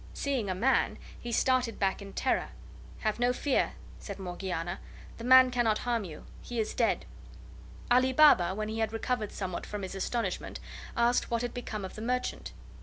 Seeing a man, he started back in terror. "Have no fear," said Morgiana; "the man cannot harm you: he is dead." Ali Baba, when he had recovered somewhat from his astonishment, asked what had become of the merchant.